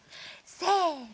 せの。